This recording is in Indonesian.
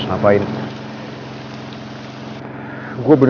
semoga ber combinasi